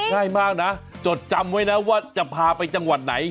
ง่ายมากนะจดจำไว้นะว่าจะพาไปจังหวัดไหน